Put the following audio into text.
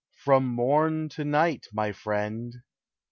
From morn to night, my friend.